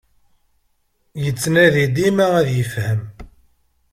Yettnadi dima ad yefhem.